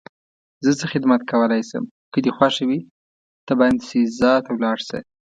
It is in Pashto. زه څه خدمت کولای شم؟ که دې خوښه وي ته باینسیزا ته ولاړ شه.